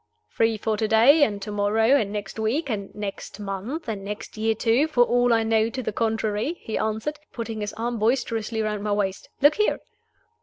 "Free for to day, and to morrow, and next week, and next month and next year too, for all I know to the contrary," he answered, putting his arm boisterously round my waist. "Look here!"